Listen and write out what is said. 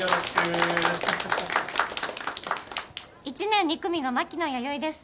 １年２組の牧野弥生です。